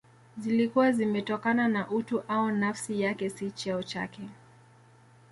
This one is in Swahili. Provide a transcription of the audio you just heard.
Zilikuwa zimetokana na utu au nafsi yake si cheo chake